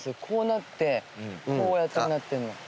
こうなってこうやってなってるの。